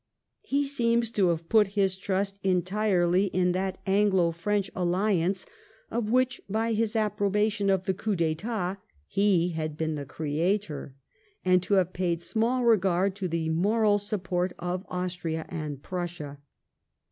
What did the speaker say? He seems to have put his trust entirely in that Anglo French Alliance, of which by his approbation of the coup d^itat he had been thecreator, and to have paid small regard to the moral support of Austria and Prussia.